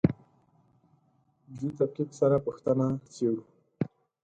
دې تفکیک سره پوښتنه څېړو.